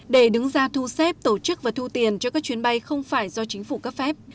để đứng ra thu xếp tổ chức và thu tiền cho các chuyến bay không phải do chính phủ cấp phép